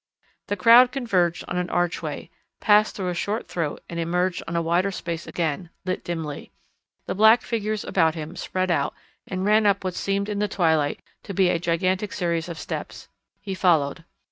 The crowd converged on an archway, passed through a short throat and emerged on a wider space again, lit dimly. The black figures about him spread out and ran up what seemed in the twilight to be a gigantic series of steps. He followed.